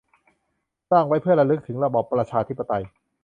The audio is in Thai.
สร้างไว้เพื่อระลึกถึงระบอบประชาธิปไตย